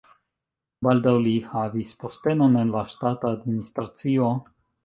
Baldaŭ li havis postenon en la ŝtata administracio.